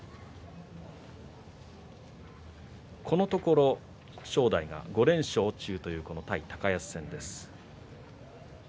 このところ正代が５連勝中という対高安戦です。